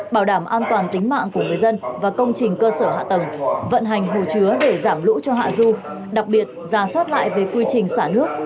bảo đảm an toàn tính mạng của người dân và công trình cơ sở hạ tầng vận hành hồ chứa để giảm lũ cho hạ du đặc biệt giả soát lại về quy trình xả nước